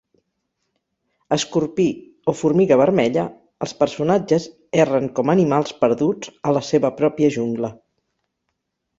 Escorpí o formiga vermella, els personatges erren com animals perduts a la seva pròpia jungla.